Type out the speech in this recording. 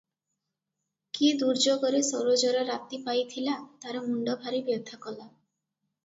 କି ଦୁର୍ଯୋଗରେ ସରୋଜର ରାତି ପାଇଥିଲା ତାର ମୁଣ୍ଡ ଭାରି ବ୍ୟଥା କଲା ।